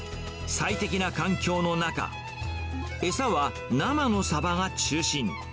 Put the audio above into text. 最適な環境の中、餌は生のサバが中心。